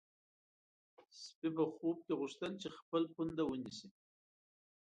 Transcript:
سپی په خوب کې غوښتل چې خپل پونده ونیسي.